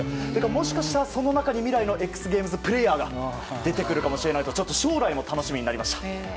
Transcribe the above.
もしかしたら、その中から未来のＸＧａｍｅｓのプレーヤーが出てくるかもしれないと将来も楽しみになりました。